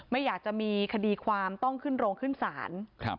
ไม่อยากจะมีคดีความต้องขึ้นโรงขึ้นศาล